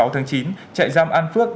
một mươi sáu tháng chín trại giam an phước